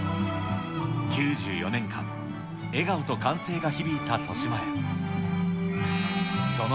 ９４年間、笑顔と歓声が響いたとしまえん。